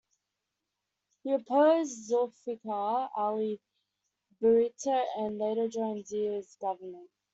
He opposed Zulfikar Ali Bhutto and later joined Zia's government.